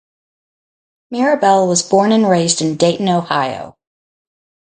Marable was born and raised in Dayton, Ohio.